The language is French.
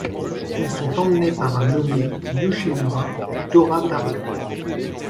Ils sont emmenés par un nommé Yoshimura Toratarō.